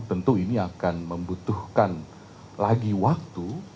tentu ini akan membutuhkan lagi waktu